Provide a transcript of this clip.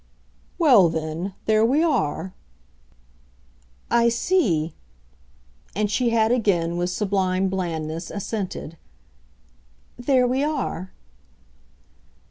"Well then, there we are." "I see" and she had again, with sublime blandness, assented. "There we are."